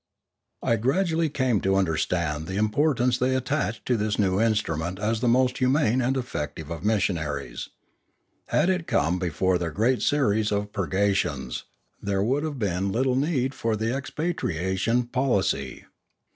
I gradually came to understand the importance they attached to this new instrument as the most humane and effective of missionaries. Had it come before their great series of purgations, there would have been little need for the expatriation policy.